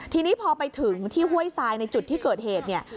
ทีนี้พอไปถึงที่ห้วยทรายในจุดที่เกิดเหตุเนี่ย